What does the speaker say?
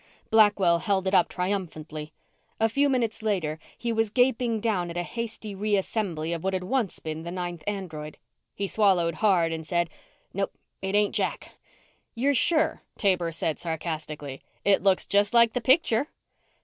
Blackwell held it up triumphantly. A few minutes later, he was gaping down at a hasty reassembly of what had once been the ninth android. He swallowed hard and said, "Nope. It ain't Jack." "You're sure?" Taber said sarcastically. "It looks just like the picture.